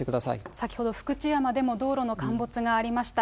先ほど福知山でも道路の陥没がありました。